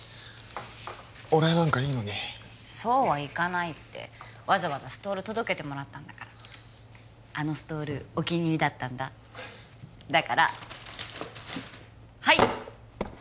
お礼なんかいいのにそうはいかないってわざわざストール届けてもらったんだからあのストールお気に入りだったんだだからはい！